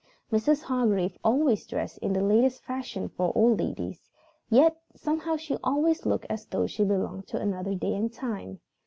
Mrs. Hargrave always dressed in the latest fashion for old ladies, yet somehow she always looked as though she belonged to another day and time.